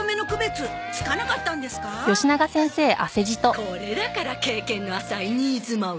これだから経験の浅い新妻は。